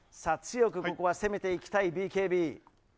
ここは強く攻めていきたいＢＫＢ。